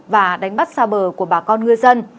và đánh bắt xa bờ của bà con ngư dân